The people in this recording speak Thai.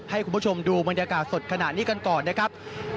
ให้คุณผู้ชมดูบรรยากาศสดขณะนี้กันก่อนนะครับ